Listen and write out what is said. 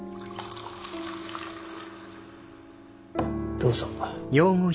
どうぞ。